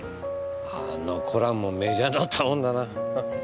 あのコラムもメジャーになったもんだな。